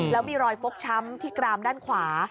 แล้วมีรอยฟกช้ำที่กรามด้านขวา